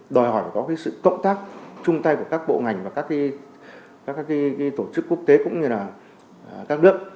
đòi hỏi phải có sự cộng tác chung tay của các bộ ngành và các tổ chức quốc tế cũng như là các nước